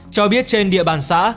cho biết trên địa bàn xã